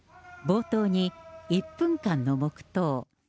冒頭に、１分間の黙とう。